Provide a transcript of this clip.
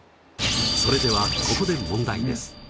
それではここで問題です。